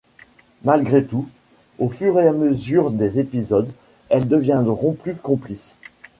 Malgré tout, au fur et à mesure des épisodes, elles deviendront plus complices.